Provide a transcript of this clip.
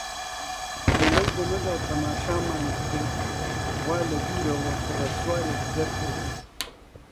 لەو دەمەدا تەماشامان کرد وا لە دوورەوە بڕە سوارێک دەرکەوتن.